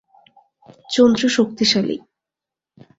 চঞ্চু শক্তিশালী।